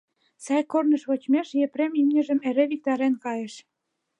Сай корныш вочмеш Епрем имньыжым эре виктарен кайыш.